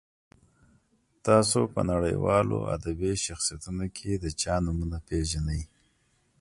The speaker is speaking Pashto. تاسو په نړیوالو ادبي شخصیتونو کې چا نومونه پیژنئ.